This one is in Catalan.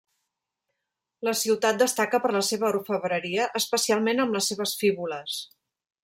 La ciutat destaca per la seva orfebreria especialment amb les seves fíbules.